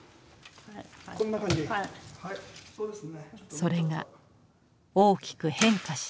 それが大きく変化した。